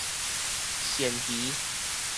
鱔魚